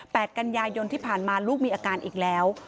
กันยายนที่ผ่านมาลูกมีอาการอีกแล้ว